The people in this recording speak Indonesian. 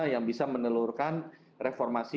yang bisa menelurkan reformasi